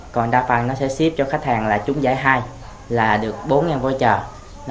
còn đa phần nó sẽ ship cho khách hàng là trúng giải hai là được bốn voucher